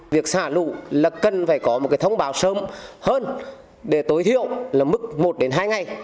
việc xả lũ cần phải có một thông báo sớm hơn để tối thiệu mức một hai ngày